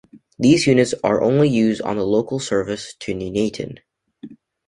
These units are only used on the local service to Nuneaton.